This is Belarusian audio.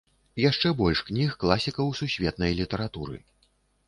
Яшчэ больш кніг класікаў сусветнай літаратуры.